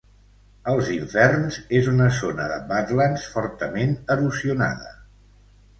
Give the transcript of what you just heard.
Els inferns és una zona de badlands fortament erosionada.